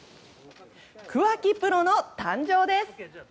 桑木プロの誕生です。